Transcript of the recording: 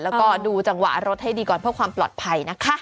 แล้วก็ดูจังหวะรถให้ดีก่อนเพื่อความปลอดภัยนะคะ